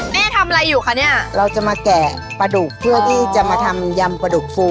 ทำอะไรอยู่คะเนี่ยเราจะมาแกะปลาดุกเพื่อที่จะมาทำยำปลาดุกฟู